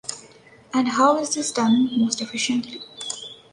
And how is this done most efficiently?